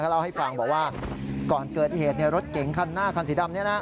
เล่าให้ฟังบอกว่าก่อนเกิดเหตุรถเก๋งคันหน้าคันสีดำ